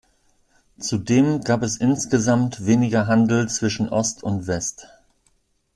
Zudem gab es insgesamt weniger Handel zwischen Ost und West.